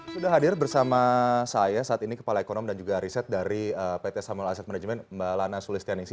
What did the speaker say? sudah hadir bersama saya saat ini kepala ekonomi dan juga riset dari pt samuel asset management mbak lana sulistianisi